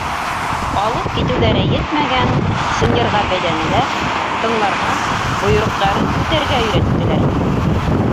Алып китеүҙәре етмәгән, сынйырға бәйләнеләр, тыңларға, бойороҡтарын үтәргә өйрәттеләр.